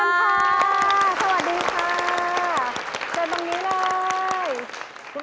สวัสดีค่ะ